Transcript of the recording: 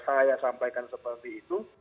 saya sampaikan seperti itu